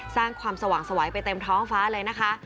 สร้างความสว่างสวัยไปเต็มท้องฟ้าเลยนะคะ